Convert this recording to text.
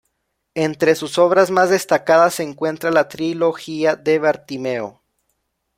Entre sus obras más destacadas se encuentra la "Trilogía de Bartimeo".